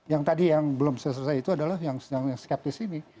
yang tadi yang belum selesai itu adalah yang skeptis ini